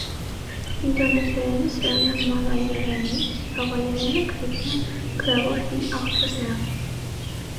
Ինդոնեզերենը սերում է մալայերենից, ճավայերենը հայտնի է գրավոր հին աղբյուրներով։